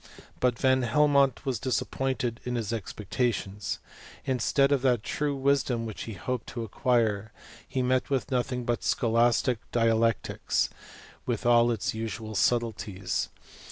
But Van Helmont was disappointecl in his expectations: in stead of that true wisdom which he hoped to ac quire, he met with nothing but scholastic dialectics, with all its usual subtilties.